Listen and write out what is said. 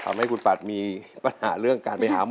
ทำให้คุณปัดมีปัญหาเรื่องการไปหาหมอ